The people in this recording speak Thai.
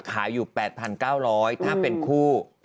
ขายอยู่๘๙๐๐ถ้าเป็นคู่